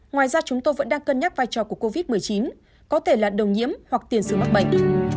ngoài ra chúng tôi vẫn đang cân nhắc vai trò của covid một mươi chín có thể là đồng nhiễm hoặc tiền sự mắc bệnh